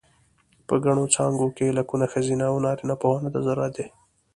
په ګڼو څانګو کې لکونو ښځینه و نارینه پوهانو ته ضرورت دی.